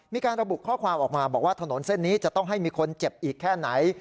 มีการระบุข้อความออกมาบอกว่าถนนเส้นนี้จะต้องให้มีคนเจ็บอีกแค่ไหน